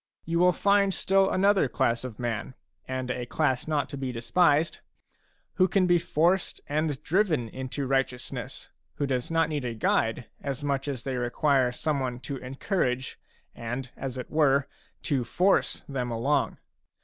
You will find still another class of man, — and a class not to be despised, — who can be forced and driven into righteousness, who do not need a guide as much as they require someone to encourage and, as it were, to force them along.